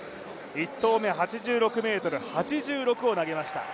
１投目８６ｍ８６を投げました。